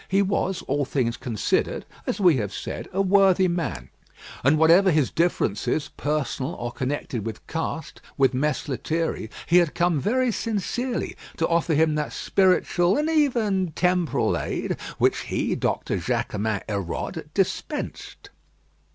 He was, all things considered, as we have said, a worthy man; and whatever his differences, personal or connected with caste, with Mess Lethierry, he had come very sincerely to offer him that spiritual and even temporal aid which he, Doctor Jaquemin Hérode, dispensed.